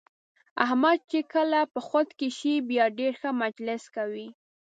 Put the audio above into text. احمد چې کله په خود کې شي بیا ډېر ښه مجلس کوي.